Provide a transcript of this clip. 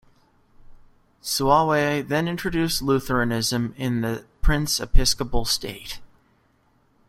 Suawe then introduced Lutheranism in the prince-episcopal state.